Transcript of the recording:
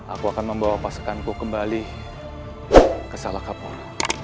aku akan membawa pasukanku kembali ke salah kapol